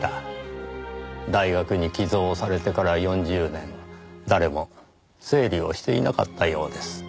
大学に寄贈されてから４０年誰も整理をしていなかったようです。